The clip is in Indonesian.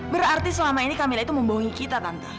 berarti selama ini kamera itu membohongi kita tante